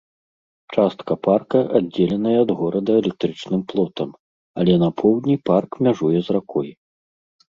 Частка парка аддзеленая ад горада электрычным плотам, але на поўдні парк мяжуе з ракой.